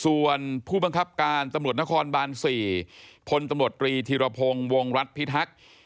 ส่วนผู้บังคับการตำรวจนครบาน๔พลตำรวจตรีธีรพงศ์วงรัฐพิทักษ์